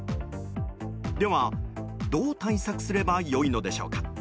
では、どう対策すればよいでしょうか。